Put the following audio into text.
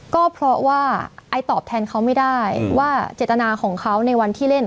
ก็เพราะว่าไอตอบแทนเขาไม่ได้ว่าเจตนาของเขาในวันที่เล่น